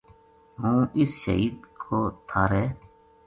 ہوں اس شہید کو تھارے